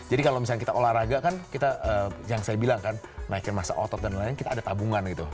jadi kalau misalnya kita olahraga kan kita yang saya bilang kan naikin masa otot dan lain lain kita ada tabungan gitu